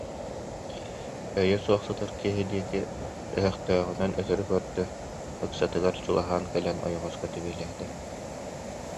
өйө суох сытар киһи диэки өһөхтөөҕүнэн өтөрү көрдө, ыксатыгар чугаһаан кэлэн ойоҕоско тэбиэлээтэ